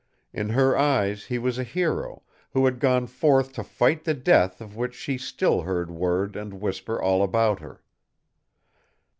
In her eyes he was a hero, who had gone forth to fight the death of which she still heard word and whisper all about her.